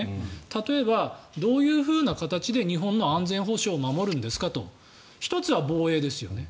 例えば、どういうふうな形で日本の安全保障を守るんですかと１つは防衛ですよね。